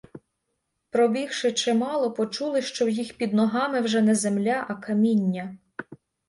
Пробігши чимало, почули, що в їх під ногами вже не земля, а каміння.